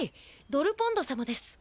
ドルポンド様です。